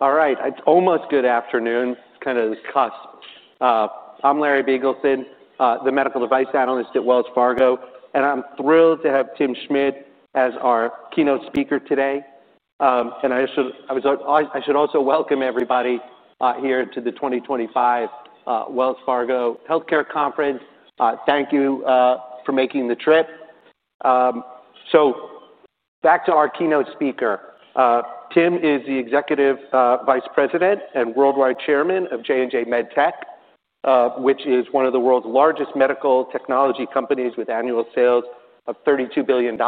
All right. It's almost good afternoon. It's kind of cusp. I'm Larry Biegelsen, the medical device analyst at Wells Fargo, and I'm thrilled to have Tim Schmid as our keynote speaker today. I should also welcome everybody here to the 2025 Wells Fargo Healthcare Conference. Thank you for making the trip. So back to our keynote speaker. Tim is the Executive Vice President and Worldwide Chairman of J&J MedTech, which is one of the world's largest medical technology companies with annual sales of $32 billion.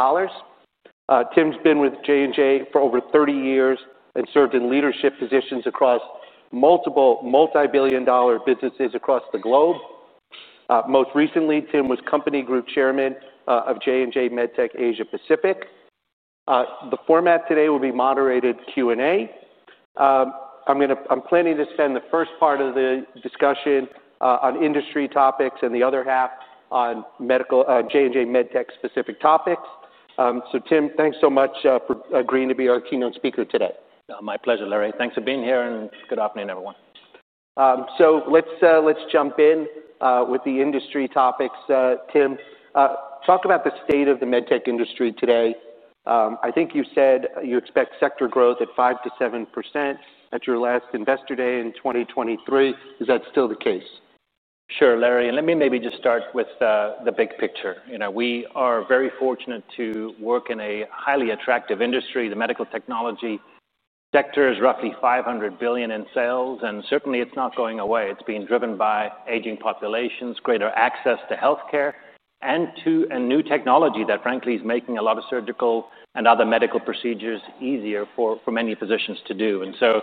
Tim's been with J&J for over 30 years and served in leadership positions across multiple multi-billion dollar businesses across the globe. Most recently, Tim was Company Group Chairman of J&J MedTech Asia Pacific. The format today will be moderated Q&A. I'm planning to spend the first part of the discussion on industry topics and the other half on medical J&J MedTech specific topics. So, Tim, thanks so much for agreeing to be our keynote speaker today. My pleasure, Larry. Thanks for being here, and good afternoon, everyone. So let's jump in with the industry topics. Tim, talk about the state of the med tech industry today. I think you said you expect sector growth at 5%-7% at your last investor day in 2023. Is that still the case? Sure, Larry. And let me maybe just start with the big picture. You know, we are very fortunate to work in a highly attractive industry. The medical technology sector is roughly $500 billion in sales, and certainly it's not going away. It's being driven by aging populations, greater access to healthcare, and to a new technology that, frankly, is making a lot of surgical and other medical procedures easier for many physicians to do. And so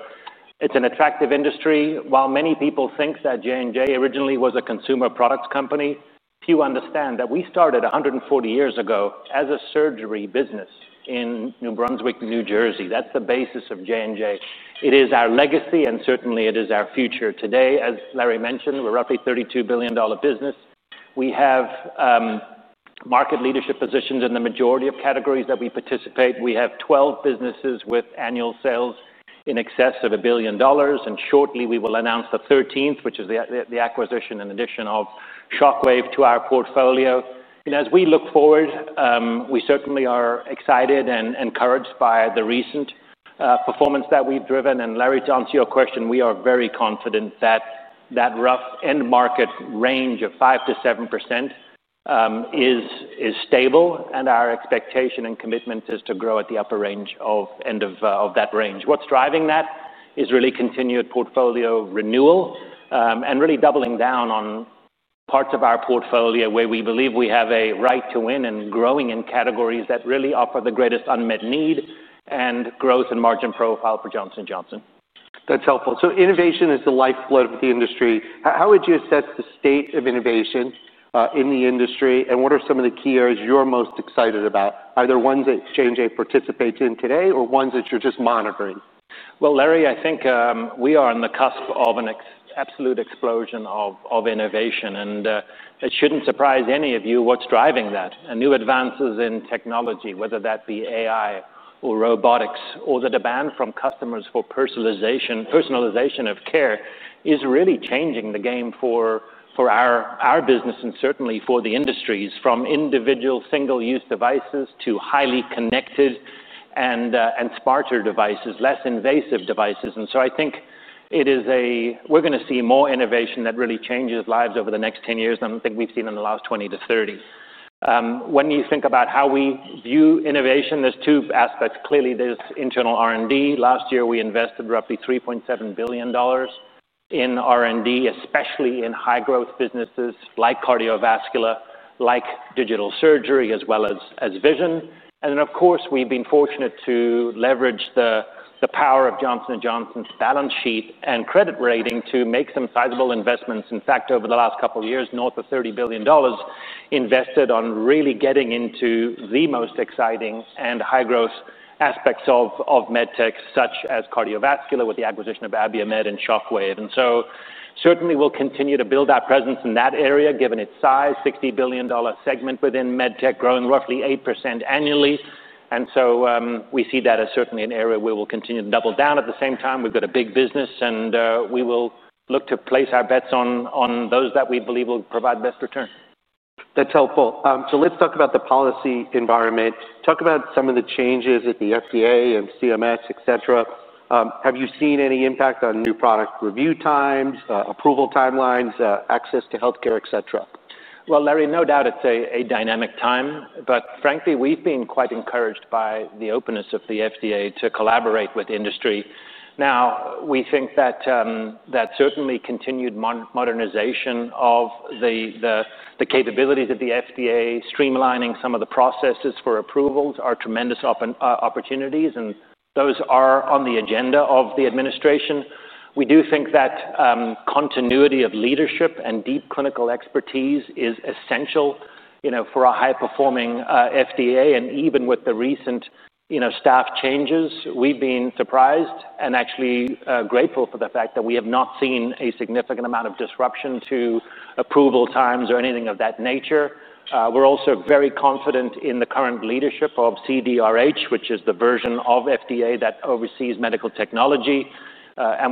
it's an attractive industry. While many people think that J&J originally was a consumer products company, few understand that we started 140 years ago as a surgery business in New Brunswick, New Jersey. That's the basis of J&J. It is our legacy, and certainly it is our future today. As Larry mentioned, we're roughly a $32 billion business. We have market leadership positions in the majority of categories that we participate. We have 12 businesses with annual sales in excess of $1 billion. Shortly, we will announce the 13th, which is the acquisition and addition of Shockwave to our portfolio. As we look forward, we certainly are excited and encouraged by the recent performance that we've driven. Larry, to answer your question, we are very confident that that rough end market range of 5%-7% is stable. Our expectation and commitment is to grow at the upper range end of that range. What's driving that is really continued portfolio renewal, and really doubling down on parts of our portfolio where we believe we have a right to win and growing in categories that really offer the greatest unmet need and growth and margin profile for Johnson & Johnson. That's helpful. So innovation is the lifeblood of the industry. How would you assess the state of innovation in the industry? And what are some of the key areas you're most excited about, either ones that J&J participates in today or ones that you're just monitoring? Larry, I think we are on the cusp of an absolute explosion of innovation. It shouldn't surprise any of you what's driving that. New advances in technology, whether that be AI or robotics, or the demand from customers for personalization of care is really changing the game for our business and certainly for the industries from individual single-use devices to highly connected and smarter devices, less invasive devices. So I think it is. We're gonna see more innovation that really changes lives over the next 10 years than I think we've seen in the last 20-30. When you think about how we view innovation, there's two aspects. Clearly, there's internal R&D. Last year, we invested roughly $3.7 billion in R&D, especially in high-growth businesses like cardiovascular, like digital surgery, as well as vision. And then, of course, we've been fortunate to leverage the power of Johnson & Johnson's balance sheet and credit rating to make some sizable investments. In fact, over the last couple of years, north of $30 billion invested on really getting into the most exciting and high-growth aspects of med tech such as cardiovascular with the acquisition of Abiomed and Shockwave. And so certainly we'll continue to build our presence in that area given its size, $60 billion segment within med tech growing roughly 8% annually. And so, we see that as certainly an area where we'll continue to double down. At the same time, we've got a big business, and we will look to place our bets on those that we believe will provide best return. That's helpful. So let's talk about the policy environment. Talk about some of the changes at the FDA and CMS, et cetera. Have you seen any impact on new product review times, approval timelines, access to healthcare, et cetera? Larry, no doubt it's a dynamic time, but frankly, we've been quite encouraged by the openness of the FDA to collaborate with industry. Now, we think that certainly continued modernization of the capabilities of the FDA, streamlining some of the processes for approvals are tremendous opportunities, and those are on the agenda of the administration. We do think that continuity of leadership and deep clinical expertise is essential, you know, for a high-performing FDA. Even with the recent you know, staff changes, we've been surprised and actually grateful for the fact that we have not seen a significant amount of disruption to approval times or anything of that nature. We're also very confident in the current leadership of CDRH, which is the version of FDA that oversees medical technology.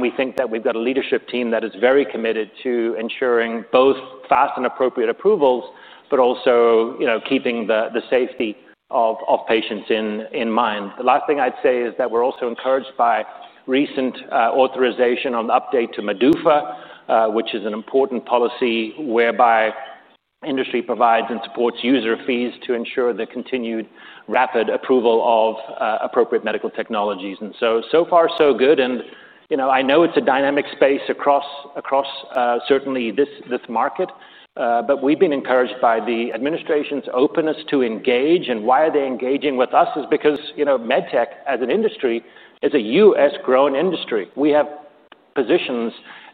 We think that we've got a leadership team that is very committed to ensuring both fast and appropriate approvals, but also, you know, keeping the safety of patients in mind. The last thing I'd say is that we're also encouraged by recent authorization on the update to MDUFA, which is an important policy whereby industry provides and supports user fees to ensure the continued rapid approval of appropriate medical technologies. And so, so far, so good. And, you know, I know it's a dynamic space across certainly this market, but we've been encouraged by the administration's openness to engage. And why are they engaging with us? It's because, you know, med tech as an industry is a U.S.-grown industry. We have positions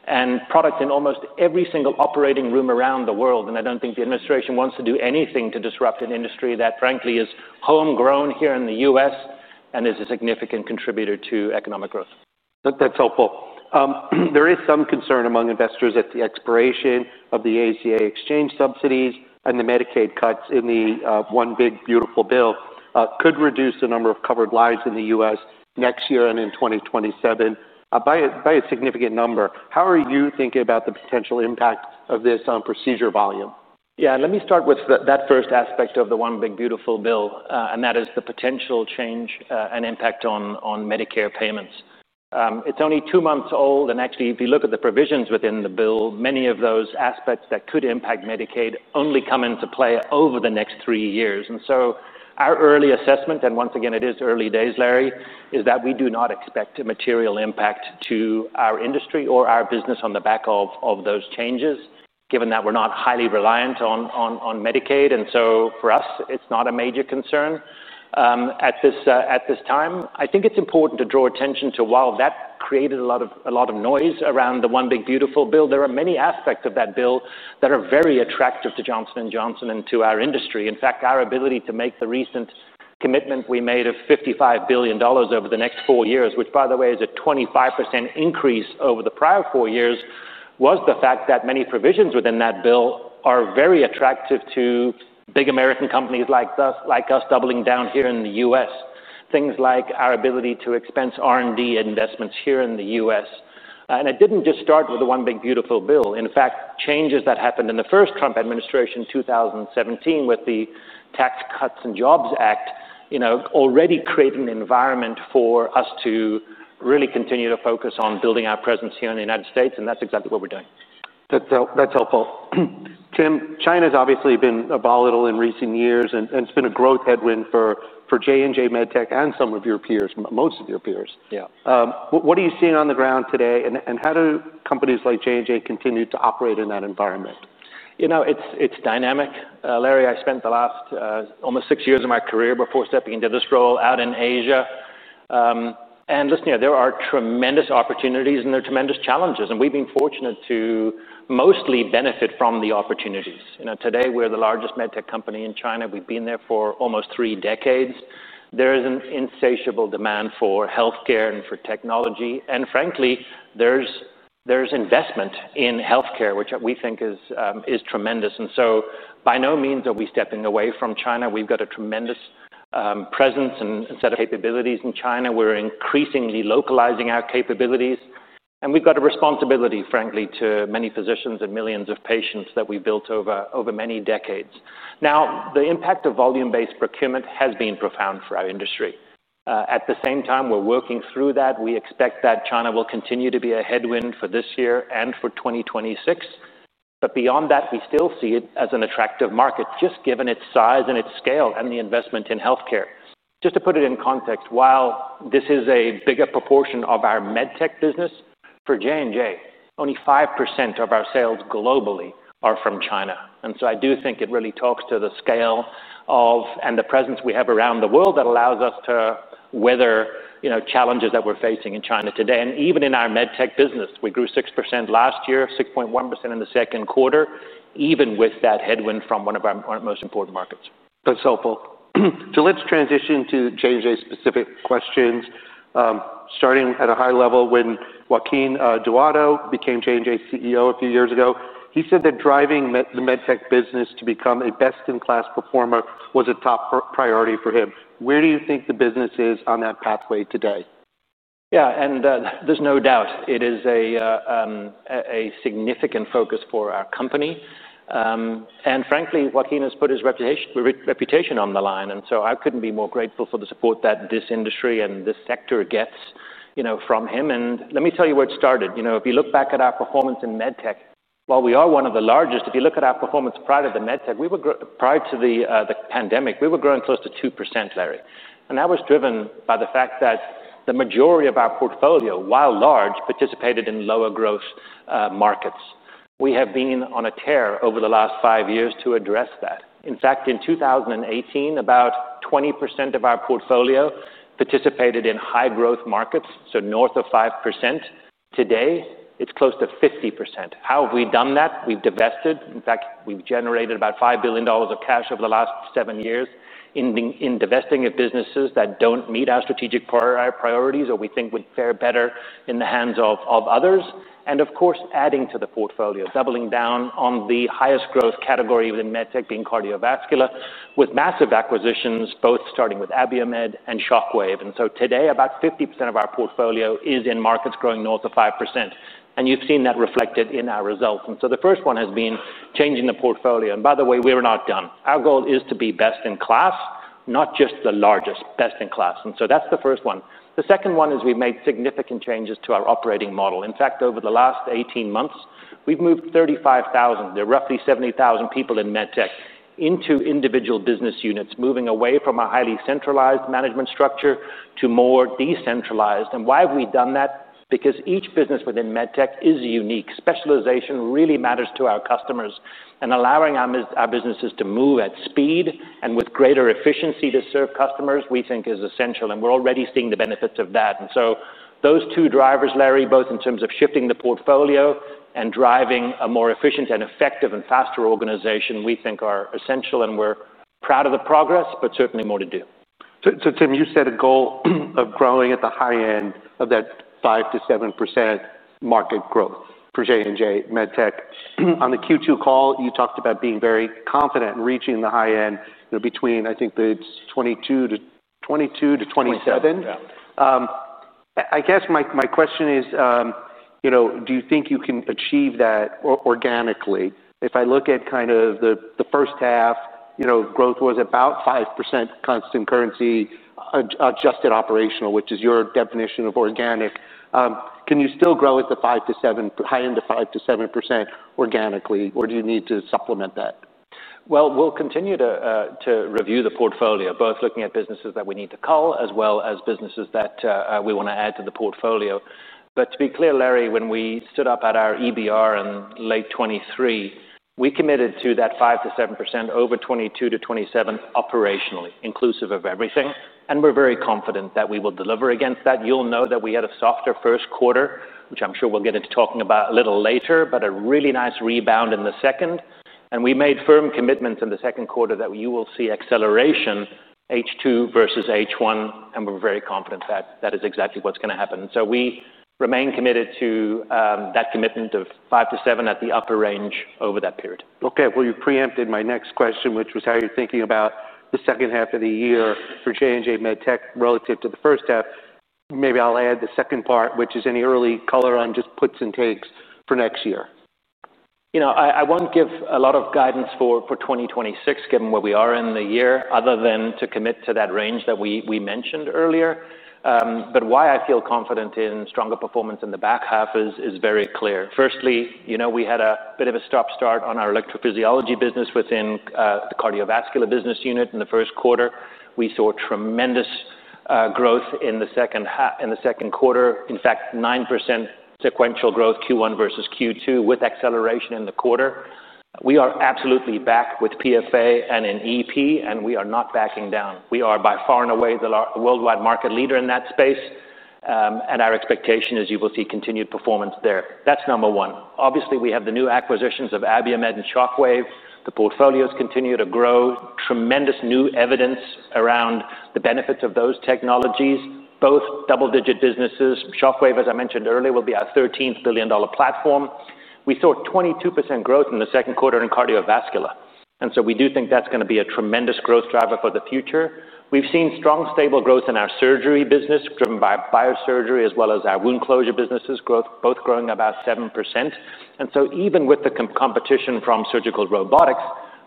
and products in almost every single operating room around the world. I don't think the administration wants to do anything to disrupt an industry that, frankly, is homegrown here in the U.S. and is a significant contributor to economic growth. That's helpful. There is some concern among investors that the expiration of the ACA exchange subsidies and the Medicaid cuts in the one big, beautiful bill could reduce the number of covered lives in the U.S. next year and in 2027 by a significant number. How are you thinking about the potential impact of this on procedure volume? Yeah, let me start with that first aspect of the one big, beautiful bill, and that is the potential change and impact on Medicare payments. It's only two months old, and actually, if you look at the provisions within the bill, many of those aspects that could impact Medicaid only come into play over the next three years, and so our early assessment, and once again, it is early days, Larry, is that we do not expect a material impact to our industry or our business on the back of those changes, given that we're not highly reliant on Medicaid, and so for us, it's not a major concern at this time. I think it's important to draw attention to, while that created a lot of, a lot of noise around the one big, beautiful bill, there are many aspects of that bill that are very attractive to Johnson & Johnson and to our industry. In fact, our ability to make the recent commitment we made of $55 billion over the next four years, which, by the way, is a 25% increase over the prior four years, was the fact that many provisions within that bill are very attractive to big American companies like us, like us doubling down here in the U.S. Things like our ability to expense R&D investments here in the U.S., and it didn't just start with the one big, beautiful bill. In fact, changes that happened in the first Trump administration, 2017, with the Tax Cuts and Jobs Act, you know, already created an environment for us to really continue to focus on building our presence here in the United States, and that's exactly what we're doing. That's helpful. That's helpful. Tim, China's obviously been volatile in recent years, and it's been a growth headwind for J&J MedTech and some of your peers, most of your peers. Yeah. What are you seeing on the ground today? And how do companies like J&J continue to operate in that environment? You know, it's dynamic. Larry, I spent the last almost six years of my career before stepping into this role out in Asia. And listen, you know, there are tremendous opportunities and there are tremendous challenges. And we've been fortunate to mostly benefit from the opportunities. You know, today we're the largest med tech company in China. We've been there for almost three decades. There is an insatiable demand for healthcare and for technology. And frankly, there's investment in healthcare, which we think is tremendous. And so by no means are we stepping away from China. We've got a tremendous presence and set of capabilities in China. We're increasingly localizing our capabilities. And we've got a responsibility, frankly, to many physicians and millions of patients that we've built over many decades. Now, the impact of volume-based procurement has been profound for our industry. At the same time, we're working through that. We expect that China will continue to be a headwind for this year and for 2026. But beyond that, we still see it as an attractive market, just given its size and its scale and the investment in healthcare. Just to put it in context, while this is a bigger proportion of our med tech business, for J&J, only 5% of our sales globally are from China. And so I do think it really talks to the scale of, and the presence we have around the world that allows us to weather, you know, challenges that we're facing in China today. And even in our med tech business, we grew 6% last year, 6.1% in the second quarter, even with that headwind from one of our most important markets. That's helpful. So let's transition to J&J-specific questions. Starting at a high level, when Joaquin Duato became J&J's CEO a few years ago, he said that driving the med tech business to become a best-in-class performer was a top priority for him. Where do you think the business is on that pathway today? Yeah, and there's no doubt it is a significant focus for our company. And frankly, Joaquin has put his reputation on the line. And so I couldn't be more grateful for the support that this industry and this sector gets, you know, from him. And let me tell you where it started. You know, if you look back at our performance in med tech, while we are one of the largest, if you look at our performance prior to the med tech, we were growing prior to the pandemic, we were growing close to 2%, Larry. And that was driven by the fact that the majority of our portfolio, while large, participated in lower growth markets. We have been on a tear over the last five years to address that. In fact, in 2018, about 20% of our portfolio participated in high-growth markets, so north of 5%. Today, it's close to 50%. How have we done that? We've divested. In fact, we've generated about $5 billion of cash over the last seven years in divesting of businesses that don't meet our strategic priorities or we think would fare better in the hands of others. And of course, adding to the portfolio, doubling down on the highest growth category within med tech, being cardiovascular, with massive acquisitions, both starting with Abiomed and Shockwave. And so today, about 50% of our portfolio is in markets growing north of 5%. And you've seen that reflected in our results. And so the first one has been changing the portfolio. And by the way, we're not done. Our goal is to be best in class, not just the largest, best in class. And so that's the first one. The second one is we've made significant changes to our operating model. In fact, over the last 18 months, we've moved 35,000, there are roughly 70,000 people in med tech into individual business units, moving away from a highly centralized management structure to more decentralized. And why have we done that? Because each business within med tech is unique. Specialization really matters to our customers. And allowing our businesses to move at speed and with greater efficiency to serve customers, we think is essential. And we're already seeing the benefits of that. And so those two drivers, Larry, both in terms of shifting the portfolio and driving a more efficient and effective and faster organization, we think are essential. And we're proud of the progress, but certainly more to do. So, Tim, you set a goal of growing at the high end of that 5%-7% market growth for J&J MedTech. On the Q2 call, you talked about being very confident in reaching the high end, you know, between, I think, the 2022 to 2027. 2027. Yeah. I guess my question is, you know, do you think you can achieve that organically? If I look at kind of the first half, you know, growth was about 5% constant currency adjusted operational, which is your definition of organic. Can you still grow at the 5%-7%, to high end of 5%-7% organically, or do you need to supplement that? We'll continue to review the portfolio, both looking at businesses that we need to cull as well as businesses that we want to add to the portfolio. To be clear, Larry, when we stood up at our EBR in late 2023, we committed to that 5%-7% over 2022-2027 operationally, inclusive of everything. We're very confident that we will deliver against that. You'll know that we had a softer first quarter, which I'm sure we'll get into talking about a little later, but a really nice rebound in the second. We made firm commitments in the second quarter that you will see acceleration, H2 versus H1. We're very confident that that is exactly what's going to happen. We remain committed to that commitment of 5%-7% at the upper range over that period. Okay, well, you preempted my next question, which was how you're thinking about the second half of the year for J&J MedTech relative to the first half. Maybe I'll add the second part, which is any early color on just puts and takes for next year. You know, I won't give a lot of guidance for 2026, given where we are in the year, other than to commit to that range that we mentioned earlier but why I feel confident in stronger performance in the back half is very clear. Firstly, you know, we had a bit of a stop-start on our electrophysiology business within the cardiovascular business unit in the first quarter. We saw tremendous growth in the second half, in the second quarter. In fact, 9% sequential growth Q1 versus Q2 with acceleration in the quarter. We are absolutely back with PFA and an EP, and we are not backing down. We are by far and away the worldwide market leader in that space, and our expectation is you will see continued performance there. That's number one. Obviously, we have the new acquisitions of Abiomed and Shockwave. The portfolios continue to grow. Tremendous new evidence around the benefits of those technologies, both double-digit businesses. Shockwave, as I mentioned earlier, will be our $13 billion platform. We saw 22% growth in the second quarter in cardiovascular, and so we do think that's going to be a tremendous growth driver for the future. We've seen strong, stable growth in our surgery business driven by biosurgery, as well as our wound closure businesses, both growing about 7%. Even with the competition from surgical robotics,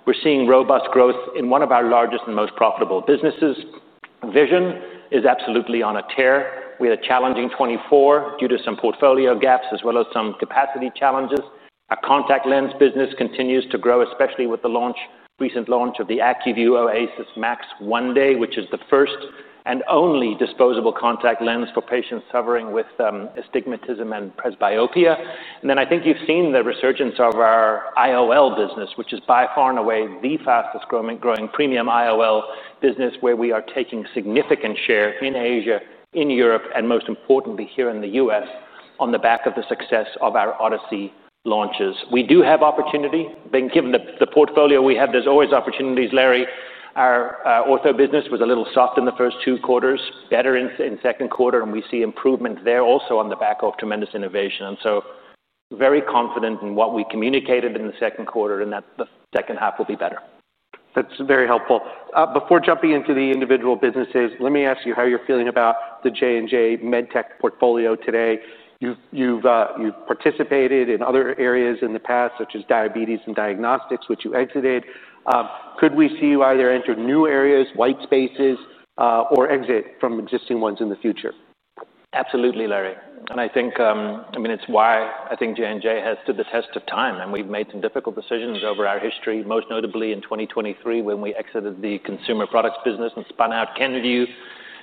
we're seeing robust growth in one of our largest and most profitable businesses. Vision is absolutely on a tear. We had a challenging 2024 due to some portfolio gaps as well as some capacity challenges. Our contact lens business continues to grow, especially with the launch, recent launch of the ACUVUE OASYS MAX 1-Day, which is the first and only disposable contact lens for patients suffering with astigmatism and presbyopia. And then I think you've seen the resurgence of our IOL business, which is by far and away the fastest growing premium IOL business, where we are taking a significant share in Asia, in Europe, and most importantly, here in the U.S., on the back of the success of our Odyssey launches. We do have opportunity. Being given the portfolio we have, there's always opportunities, Larry. Our ortho business was a little soft in the first two quarters, better in second quarter, and we see improvement there also on the back of tremendous innovation. And so very confident in what we communicated in the second quarter and that the second half will be better. That's very helpful. Before jumping into the individual businesses, let me ask you how you're feeling about the J&J MedTech portfolio today. You've participated in other areas in the past, such as diabetes and diagnostics, which you exited. Could we see you either enter new areas, white spaces, or exit from existing ones in the future? Absolutely, Larry. And I think, I mean, it's why I think J&J has stood the test of time. And we've made some difficult decisions over our history, most notably in 2023, when we exited the consumer products business and spun out Kenvue.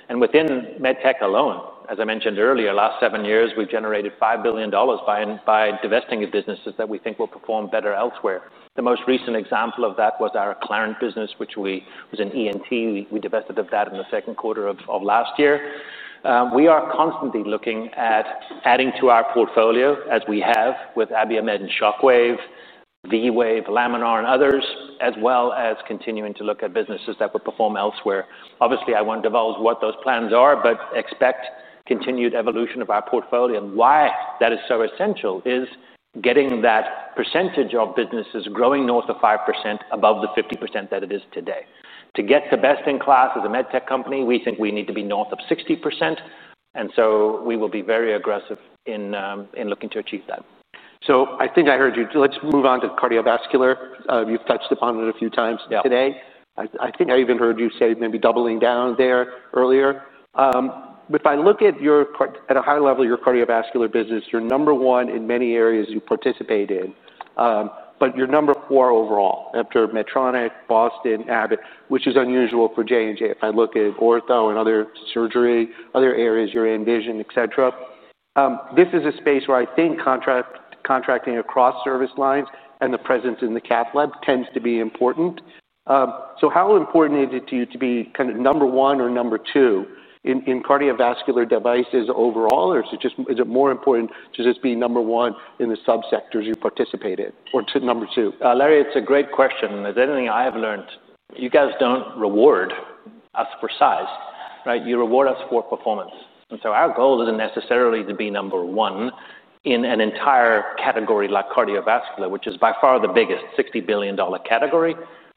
And within MedTech alone, as I mentioned earlier, last seven years, we've generated $5 billion by divesting of businesses that we think will perform better elsewhere. The most recent example of that was our Acclarent business, which was an ENT. We divested of that in the second quarter of last year. We are constantly looking at adding to our portfolio, as we have with Abiomed and Shockwave, V-Wave, Laminar, and others, as well as continuing to look at businesses that will perform elsewhere. Obviously, I won't divulge what those plans are, but expect continued evolution of our portfolio. And why that is so essential is getting that percentage of businesses growing north of 5% above the 50% that it is today. To get the best in class as a med tech company, we think we need to be north of 60%. And so we will be very aggressive in looking to achieve that. So I think I heard you. Let's move on to cardiovascular. You've touched upon it a few times today. Yeah. I think I even heard you say maybe doubling down there earlier, but if I look at a high level, your cardiovascular business, you're number one in many areas you participate in, but you're number four overall after Medtronic, Boston, Abbott, which is unusual for J&J. If I look at ortho and other surgery, other areas, you're number one in vision, et cetera. This is a space where I think contracting across service lines and the presence in the cath lab tends to be important, so how important is it to you to be kind of number one or number two in cardiovascular devices overall? Or is it just, is it more important to just be number one in the subsectors you participate in, or to number two? Larry, it's a great question. And there's one thing I have learned. You guys don't reward us for size, right? You reward us for performance. And so our goal isn't necessarily to be number one in an entire category like cardiovascular, which is by far the biggest $60 billion category.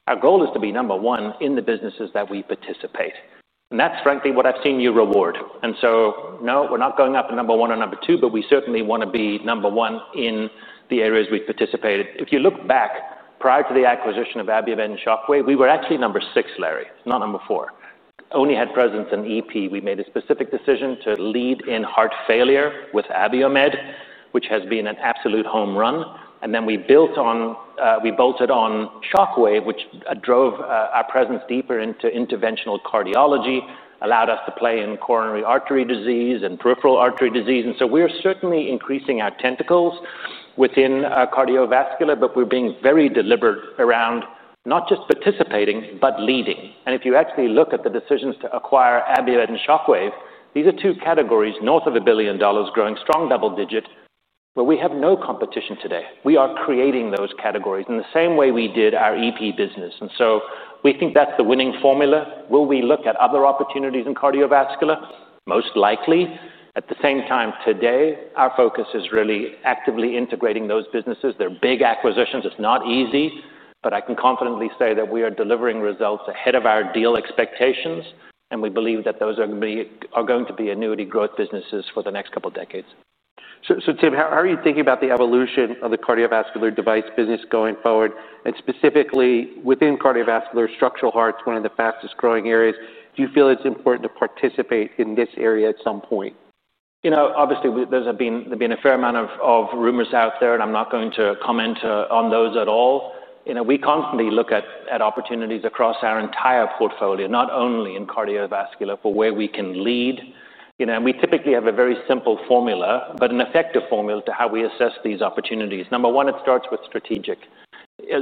Our goal is to be number one in the businesses that we participate. And that's frankly what I've seen you reward. And so, no, we're not going up to number one or number two, but we certainly want to be number one in the areas we've participated. If you look back prior to the acquisition of Abiomed and Shockwave Medical, we were actually number six, Larry, not number four. Only had presence in EP. We made a specific decision to lead in heart failure with Abiomed, which has been an absolute home run. And then we built on, we bolted on Shockwave, which drove our presence deeper into interventional cardiology, allowed us to play in coronary artery disease and peripheral artery disease. And so we're certainly increasing our tentacles within cardiovascular, but we're being very deliberate around not just participating, but leading. And if you actually look at the decisions to acquire Abiomed and Shockwave, these are two categories north of $1 billion growing strong double-digit, where we have no competition today. We are creating those categories in the same way we did our EP business. And so we think that's the winning formula. Will we look at other opportunities in cardiovascular? Most likely. At the same time today, our focus is really actively integrating those businesses. They're big acquisitions. It's not easy, but I can confidently say that we are delivering results ahead of our deal expectations. And we believe that those are going to be annuity growth businesses for the next couple of decades. So, Tim, how are you thinking about the evolution of the cardiovascular device business going forward? And specifically within cardiovascular, structural hearts, one of the fastest growing areas. Do you feel it's important to participate in this area at some point? You know, obviously, those have been, there've been a fair amount of rumors out there, and I'm not going to comment on those at all. You know, we constantly look at opportunities across our entire portfolio, not only in cardiovascular, for where we can lead. You know, and we typically have a very simple formula, but an effective formula to how we assess these opportunities. Number one, it starts with strategic,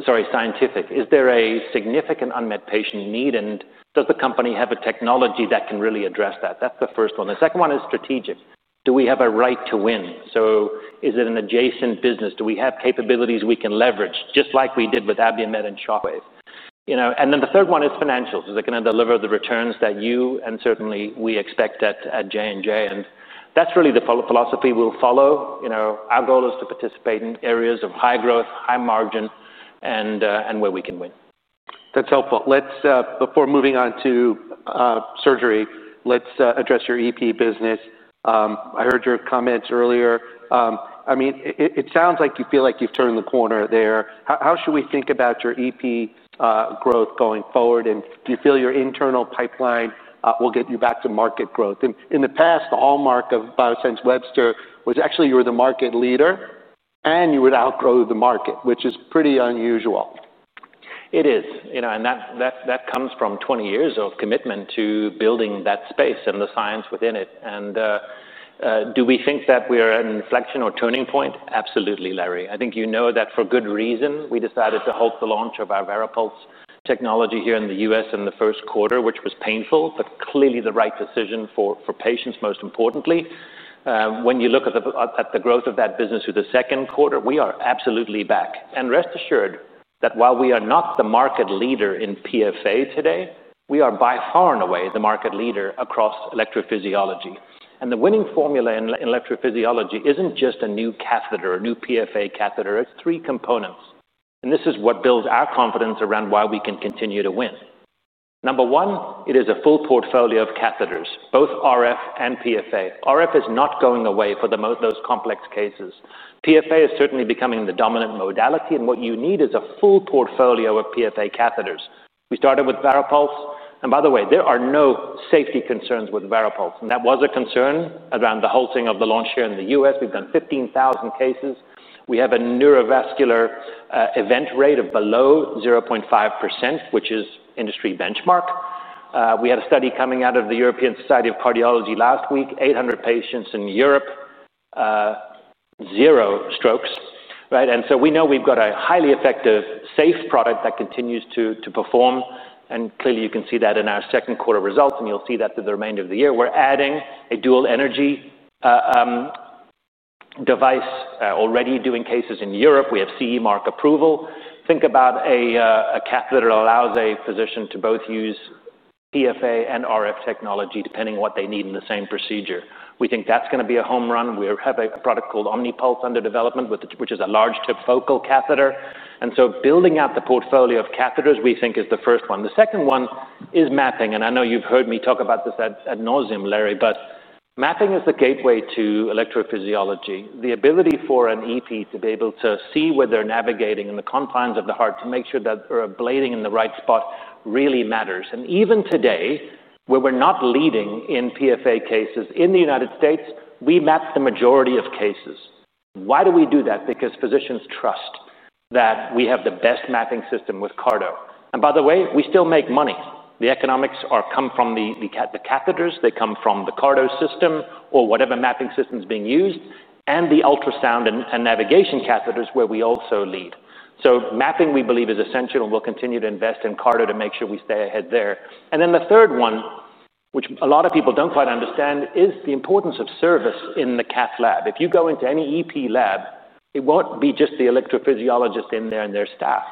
sorry, scientific. Is there a significant unmet patient need, and does the company have a technology that can really address that? That's the first one. The second one is strategic. Do we have a right to win? So is it an adjacent business? Do we have capabilities we can leverage, just like we did with Abiomed and Shockwave? You know, and then the third one is financials. Is it going to deliver the returns that you, and certainly we expect at J&J? And that's really the philosophy we'll follow. You know, our goal is to participate in areas of high growth, high margin, and where we can win. That's helpful. Let's, before moving on to surgery, address your EP business. I heard your comments earlier. I mean, it sounds like you feel like you've turned the corner there. How should we think about your EP growth going forward? And do you feel your internal pipeline will get you back to market growth? And in the past, the hallmark of Biosense Webster was actually you were the market leader and you would outgrow the market, which is pretty unusual. It is. And that comes from 20 years of commitment to building that space and the science within it. Do we think that we are at an inflection or turning point? Absolutely, Larry. I think you know that for good reason. We decided to halt the launch of our VARIPULSE technology here in the U.S. in the first quarter, which was painful, but clearly the right decision for patients, most importantly. When you look at the growth of that business through the second quarter, we are absolutely back. Rest assured that while we are not the market leader in PFA today, we are by far and away the market leader across electrophysiology. The winning formula in electrophysiology isn't just a new catheter, a new PFA catheter. It's three components. And this is what builds our confidence around why we can continue to win. Number one, it is a full portfolio of catheters, both RF and PFA. RF is not going away for those complex cases. PFA is certainly becoming the dominant modality. And what you need is a full portfolio of PFA catheters. We started with VARIPULSE. And by the way, there are no safety concerns with VARIPULSE. And that was a concern around the halting of the launch here in the U.S. We've done 15,000 cases. We have a neurovascular event rate of below 0.5%, which is industry benchmark. We had a study coming out of the European Society of Cardiology last week, 800 patients in Europe, zero strokes, right? And so we know we've got a highly effective, safe product that continues to perform. Clearly you can see that in our second quarter results, and you'll see that through the remainder of the year. We're adding a dual-energy device, already doing cases in Europe. We have CE Mark approval. Think about a catheter that allows a physician to both use PFA and RF technology depending on what they need in the same procedure. We think that's going to be a home run. We have a product called OMNPULSE under development, which is a large-tip focal catheter. And so building out the portfolio of catheters, we think, is the first one. The second one is mapping. And I know you've heard me talk about this at nauseam, Larry, but mapping is the gateway to electrophysiology. The ability for an EP to be able to see where they're navigating in the confines of the heart to make sure that they're ablating in the right spot really matters, and even today, where we're not leading in PFA cases in the United States, we map the majority of cases. Why do we do that? Because physicians trust that we have the best mapping system with CARTO, and by the way, we still make money. The economics come from the catheters. They come from the CARTO system or whatever mapping system's being used, and the ultrasound and navigation catheters where we also lead, so mapping, we believe, is essential, and we'll continue to invest in CARTO to make sure we stay ahead there, and then the third one, which a lot of people don't quite understand, is the importance of service in the cath lab. If you go into any EP lab, it won't be just the electrophysiologist in there and their staff.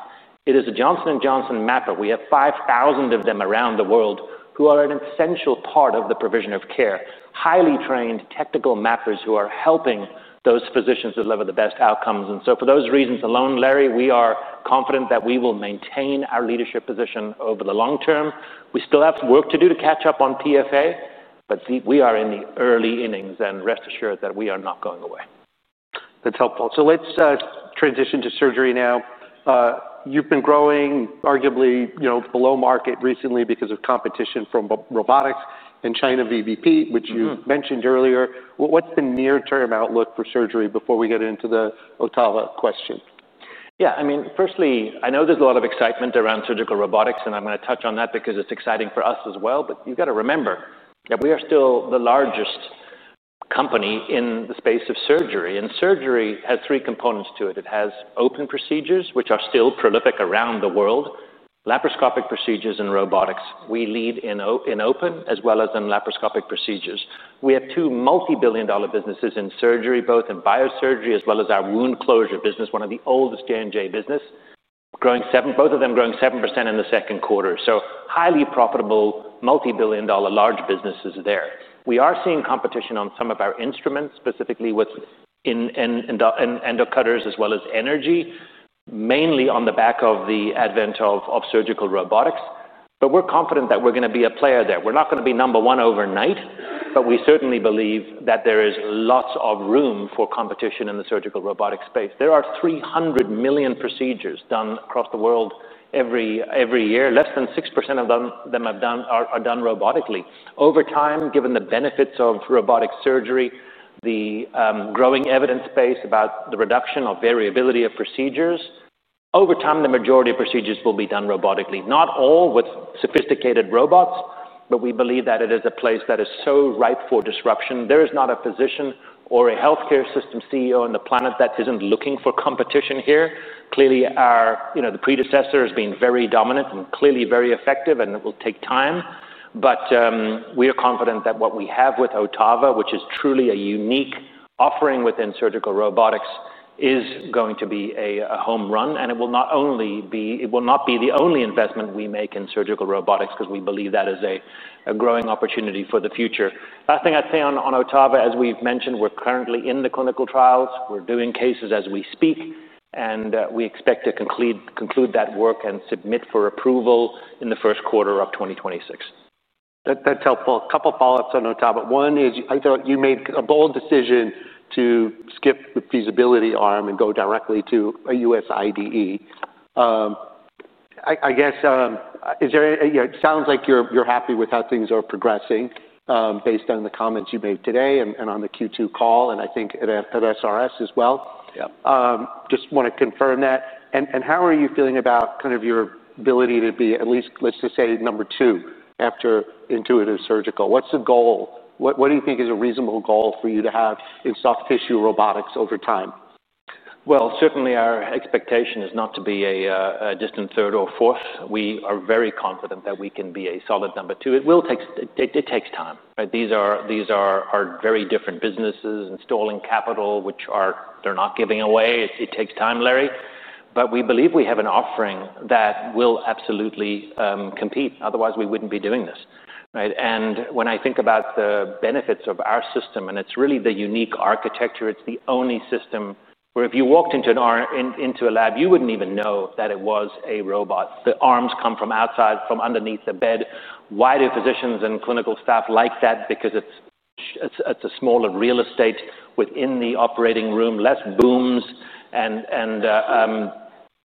It is a Johnson & Johnson mapper. We have 5,000 of them around the world who are an essential part of the provision of care, highly trained technical mappers who are helping those physicians deliver the best outcomes. And so for those reasons alone, Larry, we are confident that we will maintain our leadership position over the long term. We still have work to do to catch up on PFA, but we are in the early innings. And rest assured that we are not going away. That's helpful. So let's transition to surgery now. You've been growing arguably, you know, below market recently because of competition from Robotics and China VBP, which you mentioned earlier. What's the near-term outlook for surgery before we get into the OTTAVA question? Yeah. I mean, firstly, I know there's a lot of excitement around surgical robotics, and I'm going to touch on that because it's exciting for us as well. But you've got to remember that we are still the largest company in the space of surgery. And surgery has three components to it. It has open procedures, which are still prolific around the world, laparoscopic procedures, and robotics. We lead in open as well as in laparoscopic procedures. We have two multi-billion-dollar businesses in surgery, both in biosurgery as well as our wound closure business, one of the oldest J&J business, growing 7%, both of them growing 7% in the second quarter. So highly profitable multi-billion-dollar large businesses there. We are seeing competition on some of our instruments, specifically with in endocutters as well as energy, mainly on the back of the advent of surgical robotics. But we're confident that we're going to be a player there. We're not going to be number one overnight, but we certainly believe that there is lots of room for competition in the surgical robotic space. There are 300 million procedures done across the world every year. Less than 6% of them are done robotically. Over time, given the benefits of robotic surgery, the growing evidence base about the reduction of variability of procedures, over time, the majority of procedures will be done robotically. Not all with sophisticated robots, but we believe that it is a place that is so ripe for disruption. There is not a physician or a healthcare system CEO on the planet that isn't looking for competition here. Clearly, our, you know, the predecessor has been very dominant and clearly very effective, and it will take time. But, we are confident that what we have with OTTAVA, which is truly a unique offering within surgical robotics, is going to be a, a home run. And it will not only be, it will not be the only investment we make in surgical robotics because we believe that is a, a growing opportunity for the future. Last thing I'd say on, on OTTAVA, as we've mentioned, we're currently in the clinical trials. We're doing cases as we speak, and, we expect to conclude that work and submit for approval in the first quarter of 2026. That's helpful. A couple of follow-ups on OTTAVA. One is I thought you made a bold decision to skip the feasibility arm and go directly to a U.S. IDE. I guess is there, it sounds like you're happy with how things are progressing, based on the comments you made today and on the Q2 call, and I think at SRS as well. Yeah. Just want to confirm that. And, and how are you feeling about kind of your ability to be at least, let's just say number two after Intuitive Surgical? What's the goal? What, what do you think is a reasonable goal for you to have in soft tissue robotics over time? Well, certainly our expectation is not to be a distant third or fourth. We are very confident that we can be a solid number two. It will take, it takes time, right? These are very different businesses, installing capital, which they're not giving away. It takes time, Larry. But we believe we have an offering that will absolutely compete. Otherwise, we wouldn't be doing this, right? When I think about the benefits of our system, and it's really the unique architecture, it's the only system where if you walked into a lab, you wouldn't even know that it was a robot. The arms come from outside, from underneath the bed. Why do physicians and clinical staff like that? Because it's a smaller real estate within the operating room, less booms and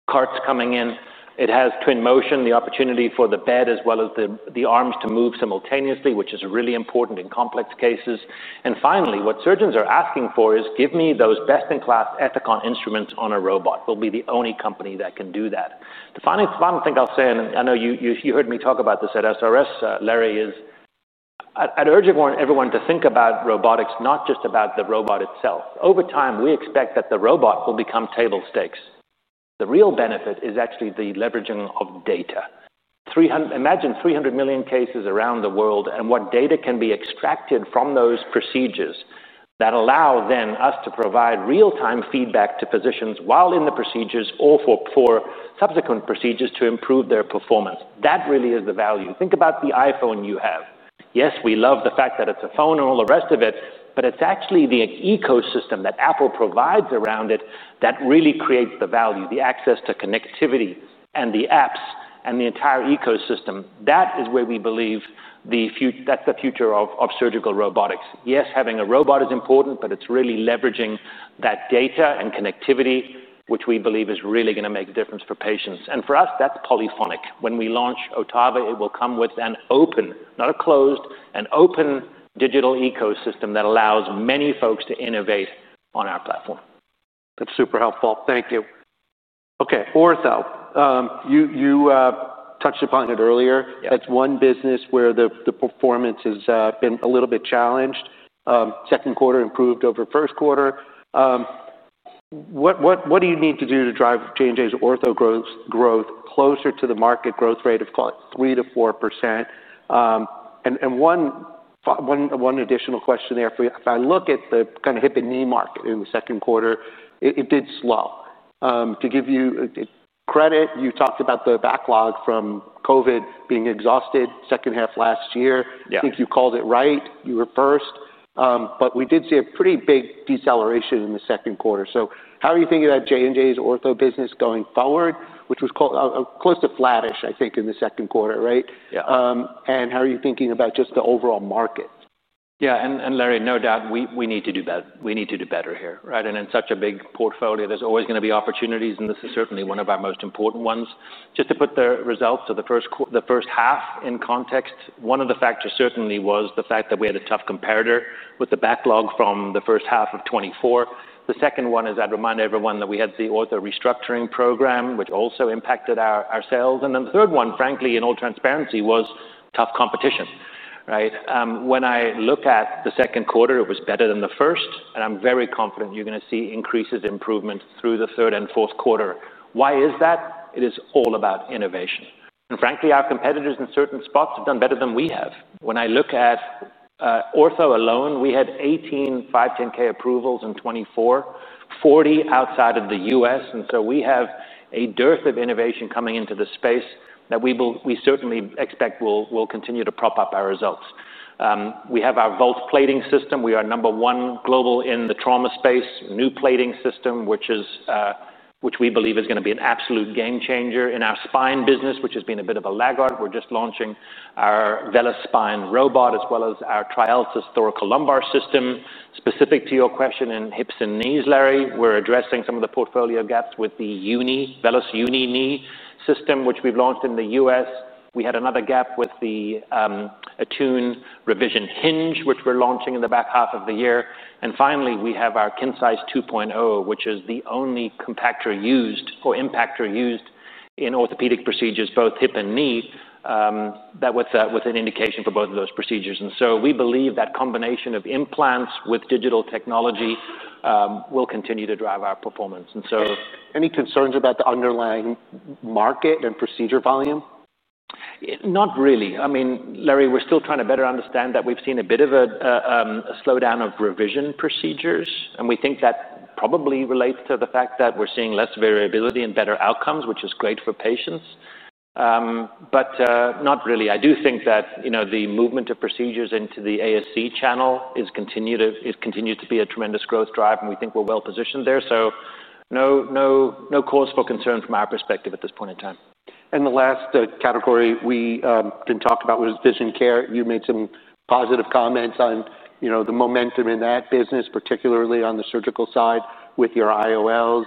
carts coming in. It has twin motion, the opportunity for the bed as well as the arms to move simultaneously, which is really important in complex cases. And finally, what surgeons are asking for is, give me those best-in-class Ethicon instruments on a robot. We'll be the only company that can do that. The final thing I'll say, and I know you heard me talk about this at SRS, Larry, is I'd urge everyone to think about robotics, not just about the robot itself. Over time, we expect that the robot will become table stakes. The real benefit is actually the leveraging of data. 300, imagine 300 million cases around the world and what data can be extracted from those procedures that allow then us to provide real-time feedback to physicians while in the procedures or for subsequent procedures to improve their performance. That really is the value. Think about the iPhone you have. Yes, we love the fact that it's a phone and all the rest of it, but it's actually the ecosystem that Apple provides around it that really creates the value, the access to connectivity and the apps and the entire ecosystem. That is where we believe the future, that's the future of surgical robotics. Yes, having a robot is important, but it's really leveraging that data and connectivity, which we believe is really going to make a difference for patients. And for us, that's Polyphonic. When we launch OTTAVA, it will come with an open, not a closed, an open digital ecosystem that allows many folks to innovate on our platform. That's super helpful. Thank you. Okay. Ortho. You touched upon it earlier. Yeah. That's one business where the performance has been a little bit challenged. Second quarter improved over first quarter. What do you need to do to drive J&J's ortho growth closer to the market growth rate of, call it 3%-4%? And one additional question there for you. If I look at the kind of hip and knee market in the second quarter, it did slow. To give you credit, you talked about the backlog from COVID being exhausted second half last year. Yeah. I think you called it right. You were first. But we did see a pretty big deceleration in the second quarter. So how are you thinking about J&J's ortho business going forward, which was close to flattish, I think, in the second quarter, right? Yeah. And how are you thinking about just the overall market? Yeah. And Larry, no doubt we need to do better. We need to do better here, right? And in such a big portfolio, there's always going to be opportunities, and this is certainly one of our most important ones. Just to put the results of the first half in context, one of the factors certainly was the fact that we had a tough competitor with the backlog from the first half of 2024. The second one is I'd remind everyone that we had the ortho restructuring program, which also impacted our sales. And then the third one, frankly, in all transparency, was tough competition, right? When I look at the second quarter, it was better than the first, and I'm very confident you're going to see increases, improvements through the third and fourth quarter. Why is that? It is all about innovation. Frankly, our competitors in certain spots have done better than we have. When I look at ortho alone, we had 18 510(k) approvals in 2024, 40 outside of the U.S. We have a dearth of innovation coming into the space that we will, we certainly expect will, will continue to prop up our results. We have our VOLT plating system. We are number one global in the trauma space, new plating system, which is, which we believe is going to be an absolute game changer in our spine business, which has been a bit of a laggard. We're just launching our VELYS Spine robot as well as our TriALTIS thoracolumbar system. Specific to your question in hips and knees, Larry, we're addressing some of the portfolio gaps with the Uni VELYS knee system, which we've launched in the U.S. We had another gap with the ATTUNE revision hinge, which we're launching in the back half of the year. And finally, we have our KINCISE 2.0, which is the only impactor used in orthopedic procedures, both hip and knee, that with an indication for both of those procedures. And so we believe that combination of implants with digital technology will continue to drive our performance. And so. Any concerns about the underlying market and procedure volume? Not really. I mean, Larry, we're still trying to better understand that we've seen a bit of a slowdown of revision procedures, and we think that probably relates to the fact that we're seeing less variability and better outcomes, which is great for patients, but not really. I do think that, you know, the movement of procedures into the ASC channel is continued to be a tremendous growth drive, and we think we're well positioned there, so no, no, no cause for concern from our perspective at this point in time. And the last category we didn't talk about was vision care. You made some positive comments on, you know, the momentum in that business, particularly on the surgical side with your IOLs.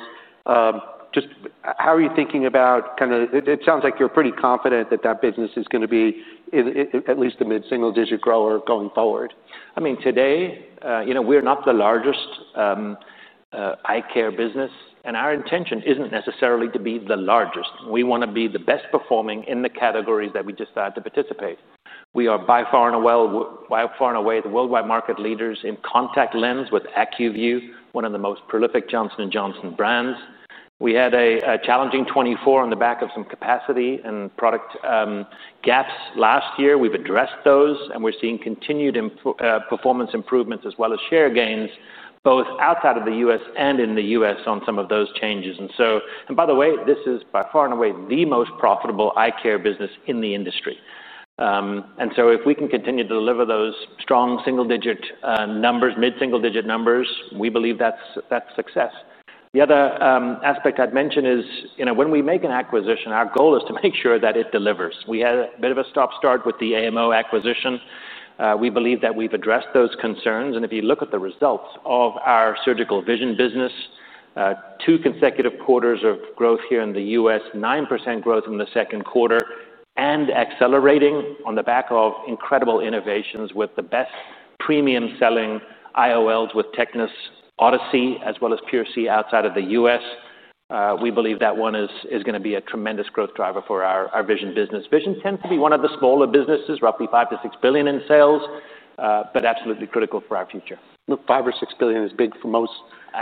Just how are you thinking about kind of, it sounds like you're pretty confident that that business is going to be at least a mid-single digit grower going forward. I mean, today, you know, we're not the largest eye care business, and our intention isn't necessarily to be the largest. We want to be the best performing in the categories that we just started to participate. We are by far and away, by far and away the worldwide market leaders in contact lens with ACUVUE, one of the most prolific Johnson & Johnson brands. We had a challenging 2024 on the back of some capacity and product gaps last year. We've addressed those, and we're seeing continued performance improvements as well as share gains both outside of the U.S. and in the U.S. on some of those changes. And so, and by the way, this is by far and away the most profitable eye care business in the industry. If we can continue to deliver those strong single-digit numbers, mid-single-digit numbers, we believe that's success. The other aspect I'd mention is, you know, when we make an acquisition, our goal is to make sure that it delivers. We had a bit of a stop-start with the AMO acquisition. We believe that we've addressed those concerns. If you look at the results of our surgical vision business, two consecutive quarters of growth here in the U.S., 9% growth in the second quarter, and accelerating on the back of incredible innovations with the best premium-selling IOLs with TECNIS Odyssey, as well as PureSee outside of the U.S., we believe that one is going to be a tremendous growth driver for our vision business. Vision tends to be one of the smaller businesses, roughly $5-6 billion in sales, but absolutely critical for our future. Look, $5 or $6 billion is big for most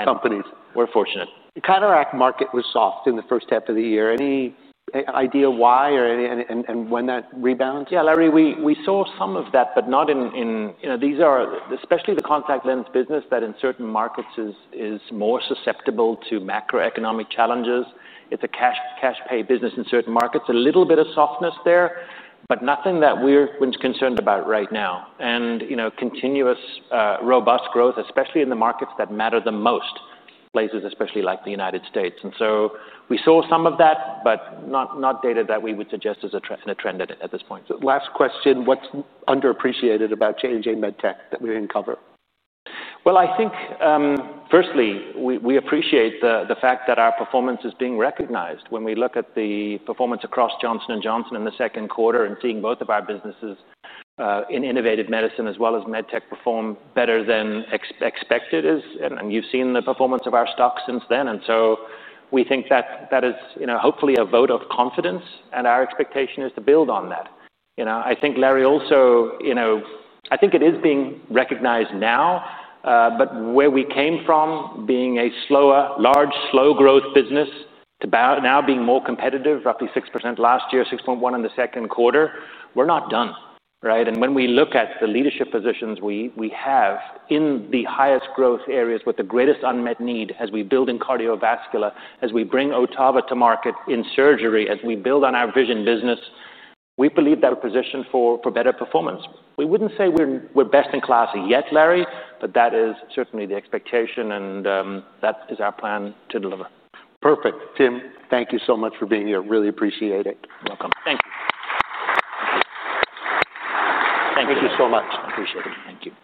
companies. We're fortunate. The cataract market was soft in the first half of the year. Any idea why or any and when that rebounds? Yeah, Larry, we saw some of that, but not in, you know, these, especially the contact lens business that in certain markets is more susceptible to macroeconomic challenges. It's a cash pay business in certain markets. A little bit of softness there, but nothing that we're concerned about right now. And, you know, continuous, robust growth, especially in the markets that matter the most, places especially like the United States. And so we saw some of that, but not data that we would suggest as a trend at this point. Last question. What's underappreciated about J&J MedTech that we didn't cover? I think, firstly, we appreciate the fact that our performance is being recognized. When we look at the performance across Johnson & Johnson in the second quarter and seeing both of our businesses, in Innovative Medicine as well as MedTech perform better than expected, and you've seen the performance of our stock since then. And so we think that that is, you know, hopefully a vote of confidence, and our expectation is to build on that. You know, I think, Larry, also, you know, I think it is being recognized now, but where we came from being a slower, large slow growth business to now being more competitive, roughly 6% last year, 6.1% in the second quarter, we're not done, right? When we look at the leadership positions we have in the highest growth areas with the greatest unmet need as we build in cardiovascular, as we bring OTTAVA to market in surgery, as we build on our vision business, we believe that position for better performance. We wouldn't say we're best in class yet, Larry, but that is certainly the expectation, and that is our plan to deliver. Perfect. Tim, thank you so much for being here. Really appreciate it. You're welcome. Thank you. Thank you so much. Appreciate it. Thank you.